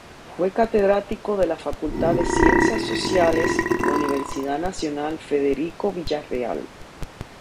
Fue catedrático de la Facultad de Ciencias Sociales de la Universidad Nacional Federico Villarreal.